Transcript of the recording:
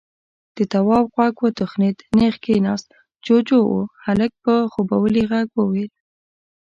د تواب غوږ وتخنېد، نېغ کېناست. جُوجُو و. هلک په خوبولي غږ وويل: